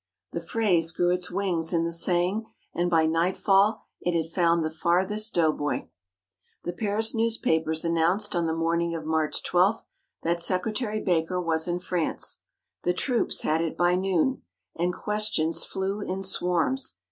The phrase grew its wings in the saying, and by nightfall it had found the farthest doughboy. The Paris newspapers announced, on the morning of March 12, that Secretary Baker was in France. The troops had it by noon. And questions flew in swarms.